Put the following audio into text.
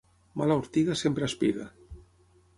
Mala ortiga sempre espiga.